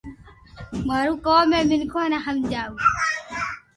مارو ڪوم ھي مينکون ني ھمجاو